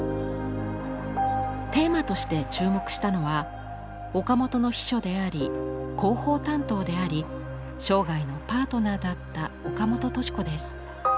テーマとして注目したのは岡本の秘書であり広報担当であり生涯のパートナーだった岡本敏子です。